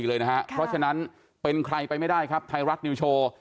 เพราะฉะนั้นเป็นใครไปไม่ได้ครับไทยรัฐนิวโชว์